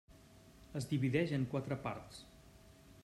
Es divideix en quatre parts.